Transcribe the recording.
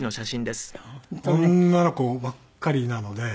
女の子ばっかりなので。